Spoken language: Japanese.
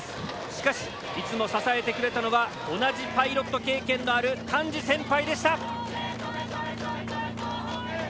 しかしいつも支えてくれたのは同じパイロット経験のある丹治先輩でした。